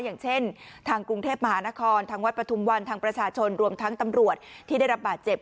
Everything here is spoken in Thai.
อย่างเช่นทางกรุงเทพมหานครทางวัดปฐุมวันทางประชาชนรวมทั้งตำรวจที่ได้รับบาดเจ็บ